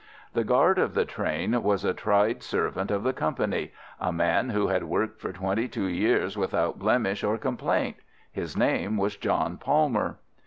The guard of the train was a tried servant of the company—a man who had worked for twenty two years without blemish or complaint. His name was John Palmer.